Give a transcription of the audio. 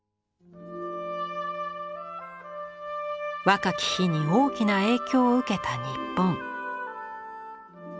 若き日に大きな影響を受けた日本。